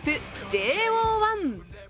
ＪＯ１。